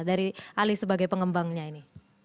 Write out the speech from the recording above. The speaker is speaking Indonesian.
dari ali sebagai pengembangnya ini